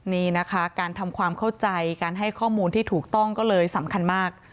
นี่นะคะการทำความเข้าใจการให้ข้อมูลที่ถูกต้องก็เลยสำคัญมาก